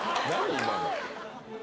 今の」